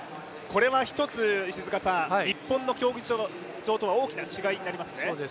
これは一つ、日本の競技場とは大きな違いになりますね。